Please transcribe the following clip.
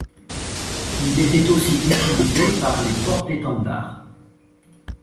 Il était aussi utilisé par les porte-étendards.